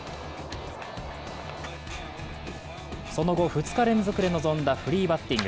その後、２日連続で臨んだフリーバッティング。